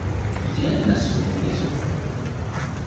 Jen la surprizo.